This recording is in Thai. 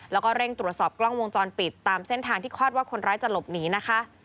แล้วก็เร่งตรวจสอบกล้องวงจรปิดตามเส้นทางที่คาดว่าคนร้ายจะหลบหนีนะคะ